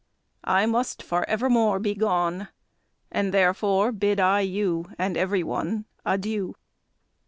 I must, for evermore, be gone; And therefore bid I you, And every one, Adieu!